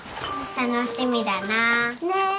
楽しみだな。ね。